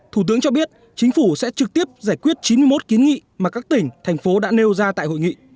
thủ tướng cho biết chính phủ sẽ trực tiếp giải quyết chín mươi một kiến nghị mà các tỉnh thành phố đã nêu ra tại hội nghị